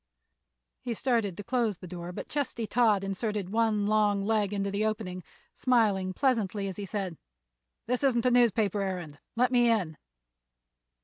He started to close the door, but Chesty Todd inserted one long leg into the opening, smiling pleasantly as he said: "This isn't a newspaper errand; let me in."